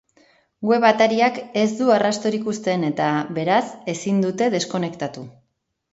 Web atariak ez du arrastorik uzten eta, beraz, ezin dute deskonektatu.